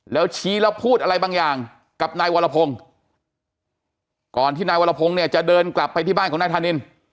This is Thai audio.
แล้วชี้แล้วพูดอะไรบางอย่างกับนายวรพงศ์ก่อนที่นายวรพงศ์เนี่ยจะเดินกลับไปที่บ้านของนายธานิน